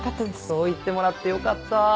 そう言ってもらってよかった。